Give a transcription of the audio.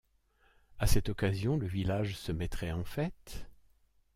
À cette occasion, le village se mettrait en fête.